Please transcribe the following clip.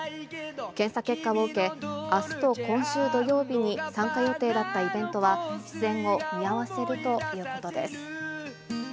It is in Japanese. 検査結果を受け、あすと今週土曜日に参加予定だったイベントは、出演を見合わせるということです。